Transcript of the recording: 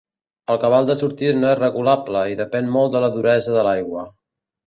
El cabal de sortida no és regulable i depèn molt de la duresa de l'aigua.